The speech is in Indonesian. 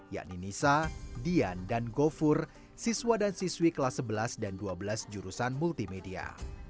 yakni nisa dian dan gofur siswa dan siswi kelas sebelas dan dua belas jurusan multimedia